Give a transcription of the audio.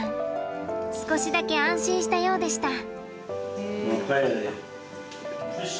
少しだけ安心したようでした。